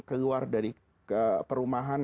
keluar dari perumahan